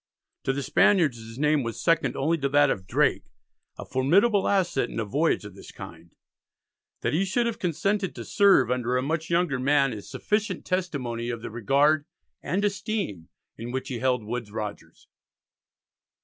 To the Spaniards his name was second only to that of Drake, a formidable asset in a voyage of this kind. That he should have consented to serve under a much younger man is sufficient testimony of the regard and esteem in which he held Woodes Rogers.